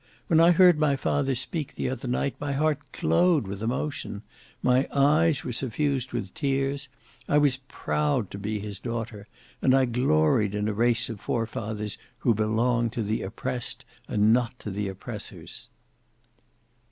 When I heard my father speak the other night, my heart glowed with emotion; my eyes were suffused with tears; I was proud to be his daughter; and I gloried in a race of forefathers who belonged to the oppressed and not to the oppressors."